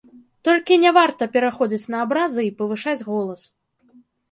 Толькі не варта пераходзіць на абразы і павышаць голас.